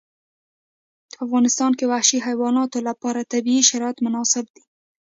په افغانستان کې وحشي حیواناتو لپاره طبیعي شرایط مناسب دي.